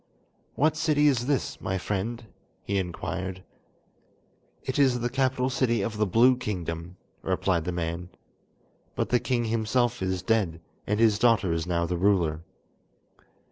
"What city is this, my friend?" he inquired. "It is the capital city of the Blue Kingdom," replied the man, "but the king himself is dead, and his daughter is now the ruler."